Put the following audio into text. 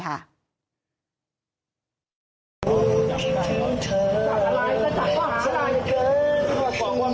ไข่แจ้ง